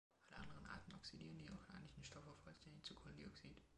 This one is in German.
Alle anderen Arten oxidieren die organischen Stoffe vollständig zu Kohlendioxid.